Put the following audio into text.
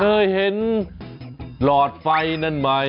เคยเห็นหลอดไฟนั่นไหม